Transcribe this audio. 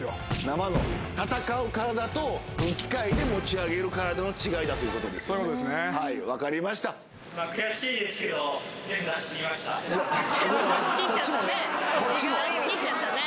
生の戦う体と機械で持ち上げる体の違いだということですねはい分かりました全部出しきっちゃったね